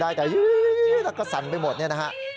ยิงนอกทางซังเฉยพูดได้ก็สั่นไป